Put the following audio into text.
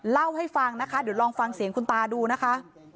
เล่าให้ฟังนะคะเดี๋ยวลองฟังเสียงคุณตาดูนะคะ